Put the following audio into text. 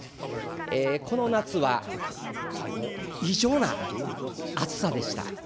この夏は、もう異常な暑さでした。